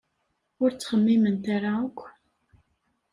Ur ttxemmiment ara akk!